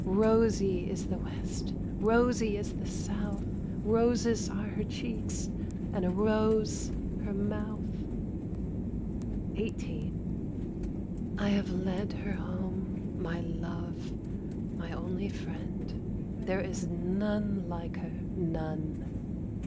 Rosy is the West, Rosy is the South, Roses are her cheeks. And a rose her mouth. XVIII. 1. I have led her home, my love, my only friend. There is none like her, none.